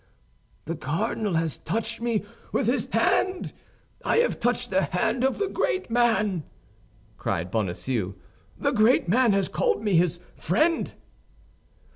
"The cardinal has touched me with his hand! I have touched the hand of the great man!" cried Bonacieux. "The great man has called me his friend!"